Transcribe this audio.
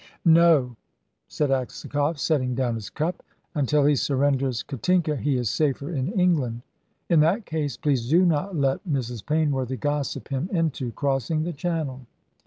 "No," said Aksakoff, setting down his cup. "Until he surrenders Katinka he is safer in England." "In that case, please do not let Mrs. Penworthy gossip him into crossing the Channel."